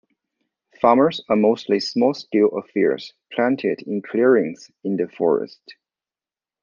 Farms are mostly small-scale affairs planted in clearings in the forest.